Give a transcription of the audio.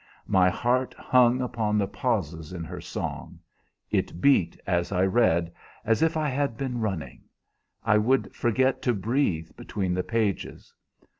My heart hung upon the pauses in her song; it beat, as I read, as if I had been running. I would forget to breathe between the pages.